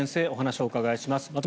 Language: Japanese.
お話をお伺いします。